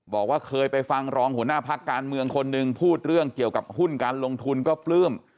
บอกว่าเคยไปฟังรองหัวหน้าพักการเมืองคนหนึ่งพูดเรื่องเกี่ยวกับหุ้นการลงทุนก็ปลื้ม